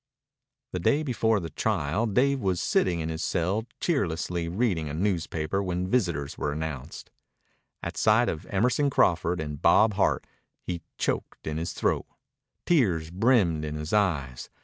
The day before the trial Dave was sitting in his cell cheerlessly reading a newspaper when visitors were announced. At sight of Emerson Crawford and Bob Hart he choked in his throat. Tears brimmed in his eyes.